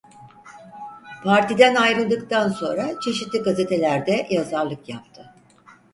Partiden ayrıldıktan sonra çeşitli gazetelerde yazarlık yaptı.